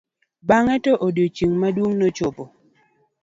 bange to odiochieng' maduong nochopo